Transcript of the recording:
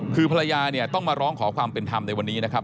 คือภรรยาเนี่ยต้องมาร้องขอความเป็นธรรมในวันนี้นะครับ